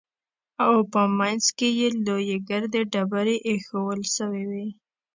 او په منځ کښې يې لويې ګردې ډبرې ايښوول سوې وې.